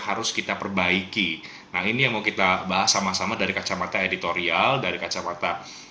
harus kita perbaiki nah ini yang mau kita bahas sama sama dari kacamata editorial dari kacamata